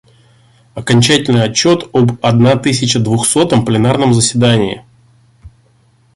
Окончательный отчет об одна тысяча двухсотом пленарном заседании,.